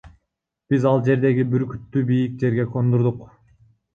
Биз ал жердеги бүркүттү бийик жерге кондурдук.